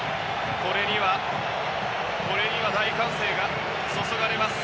これには大歓声が注がれます。